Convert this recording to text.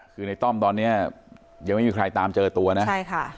คือในต้อมตอนเนี้ยยังไม่มีใครตามเจอตัวนะใช่ค่ะ